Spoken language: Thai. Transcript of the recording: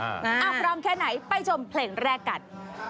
พร้อมแค่ไหนไปชมเพลงแรกกัน